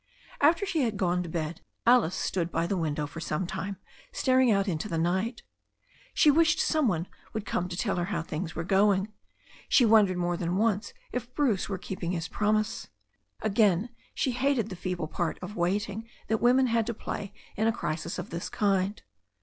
After she had gone to bed Alice stood by the window for some time staring out into the night. She wished some one would come to tell her how things were going. She wondered more than once if Bruce were keeping his prom ise. Again she hated the feeble part of waiting that women had to play in a crisis of this kind.